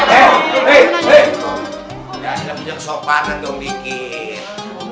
biasalah punya kesopanan dong dikit